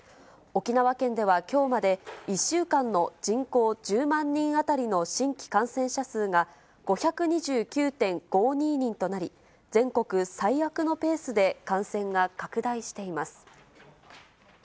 沖縄県ではきょうまで１週間の人口１０万人当たりの新規感染者数が５２９．５２人となり、全国最悪のペースで感染が拡大しています。